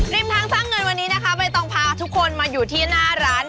ทางสร้างเงินวันนี้นะคะใบตองพาทุกคนมาอยู่ที่หน้าร้าน